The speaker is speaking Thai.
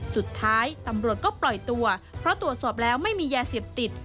สุดท้ายตำรวจก็ปล่อยตัวเพราะตรวจสอบแล้วไม่มียาเสพติด